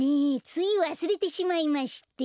ついわすれてしまいまして。